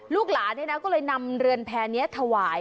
ลูกหลานก็เลยนำเรือนแพร่นี้ถวาย